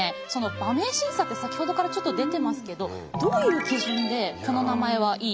馬名審査って先ほどからちょっと出てますけどどういう基準でこの名前はいい